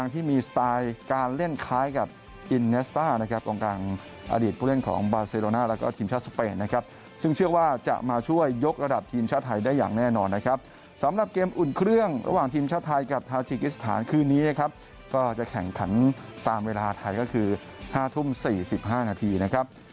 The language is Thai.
ทีมชาติไทยได้อย่างแน่นอนนะครับสำหรับเกมอุ่นเครื่องระหว่างทีมชาติไทยกับทาชิกิสถานคืนนี้นะครับก็จะแข่งขันตามเวลาไทยก็คือห้าทุ่มสี่สิบห้านาทีนะครับ